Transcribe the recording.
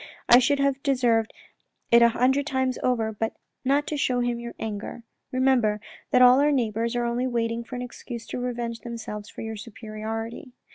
I should have deserved it a hundred times over, but not to show him your anger. Remember that all our neighbours are only waiting for an excuse to revenge themselves for your superiority.